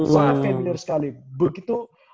sangat feminir sekali begitu